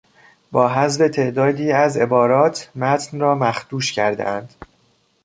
با حذف تعدادی از عبارات، متن را مخدوش کردهاند.